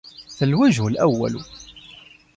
فَالْوَجْهُ الْأَوَّلُ